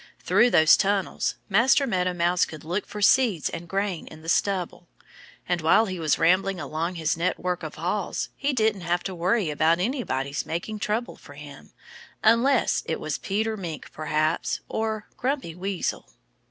Through those tunnels Master Meadow Mouse could look for seeds and grain in the stubble. And while he was rambling along his network of halls he didn't have to worry about anybody's making trouble for him, unless it was Peter Mink, perhaps, or Grumpy Weasel.